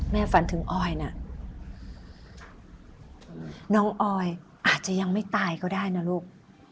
ฝันถึงออยนะน้องออยอาจจะยังไม่ตายก็ได้นะลูก